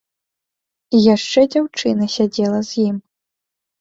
І яшчэ дзяўчына сядзела з ім.